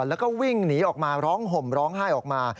แล้วก็วิ่งหนีออกมาร้องห่มร้องไห้ออกมา